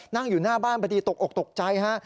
นั่งอยู่หน้าบ้านพอดีตกอกตกใจฮะ